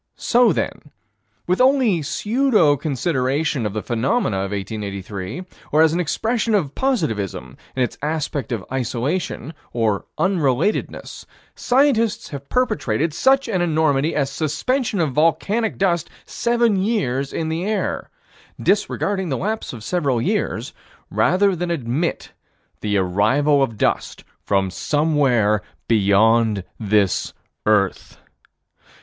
So then, with only pseudo consideration of the phenomena of 1883, or as an expression of positivism in its aspect of isolation, or unrelatedness, scientists have perpetrated such an enormity as suspension of volcanic dust seven years in the air disregarding the lapse of several years rather than to admit the arrival of dust from somewhere beyond this earth.